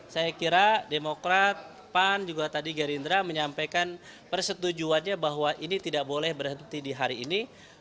saya kira demokrat pan juga tadi gerindra menyampaikan persetujuannya bahwa ini tidak boleh berhenti di hari ini